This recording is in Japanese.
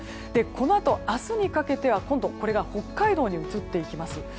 このあと明日にかけては今度、これが北海道に移っていきます。